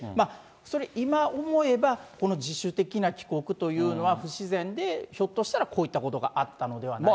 それ今思えば、この自主的な帰国というのは不自然で、ひょっとしたらこういったことがあったのではないかと。